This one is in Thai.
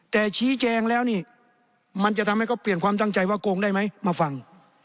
แต่ชี้แจงแล้วนี่มันจะทำให้เขาเปลี่ยนความตั้งใจว่าโกงได้ไหมมาฟัง